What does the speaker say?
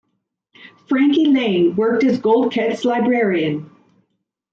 Frankie Laine worked as Goldkette's librarian.